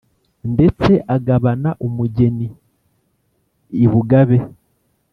ndetse agabana umugeni i bugabe